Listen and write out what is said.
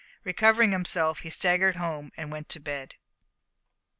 Recovering himself he staggered home and went to bed.